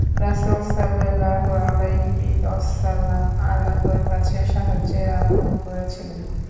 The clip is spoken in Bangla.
রাসূল সাল্লাল্লাহু আলাইহি ওয়াসাল্লাম আল্লাহর কাছে সাহায্যের আবেদন করেছিলেন।